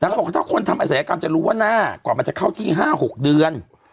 แล้วก็บอกว่าถ้าคนทำอาศัยกรรมจะรู้ว่าหน้าก่อนมันจะเข้าที่๕๖เดือน